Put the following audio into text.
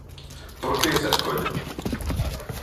Por que esa escolla?